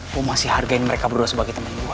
gue masih hargain mereka berdua sebagai temen gue